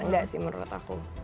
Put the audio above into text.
enggak sih menurut aku